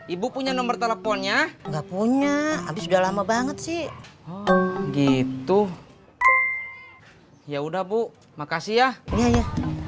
ibu punya nomor teleponnya gak punya abis udah lama banget sih gitu ya udah bu makasih ya ini ya